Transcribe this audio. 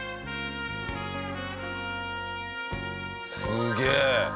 すげえ！